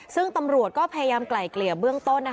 ซึ่งตำรวจก็พยายามไกล่เกลี่ยเบื้องต้น